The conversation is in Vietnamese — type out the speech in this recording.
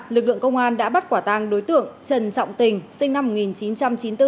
lực lượng công an đã bắt quả tang đối tượng trần trọng tình sinh năm một nghìn chín trăm chín mươi bốn